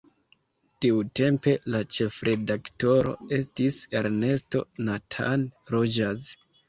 Tiutempe la ĉefredaktoro estis Ernesto Nathan Rogers.